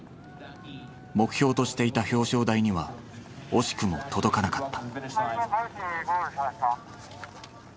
目標としていた表彰台には惜しくも届かなかった。